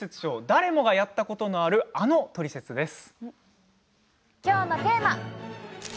誰もがやったことのあるあのトリセツです。